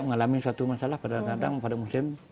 mengalami suatu masalah kadang kadang pada musim